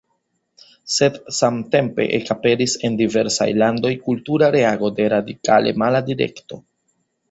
Sed samtempe ekaperis en diversaj landoj kultura reago de radikale mala direkto.